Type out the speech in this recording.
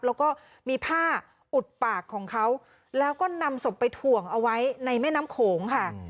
แล้วก็มีผ้าอุดปากของเขาแล้วก็นำศพไปถ่วงเอาไว้ในแม่น้ำโขงค่ะ